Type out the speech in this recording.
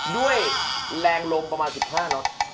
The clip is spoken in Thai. ด้วยแรงลมประมาณ๑๕น็อต